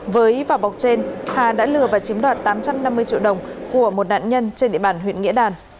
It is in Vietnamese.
với vỏ bọc trên hà đã lừa và chiếm đoạt tám trăm năm mươi triệu đồng của một nạn nhân trên địa bàn huyện nghĩa đàn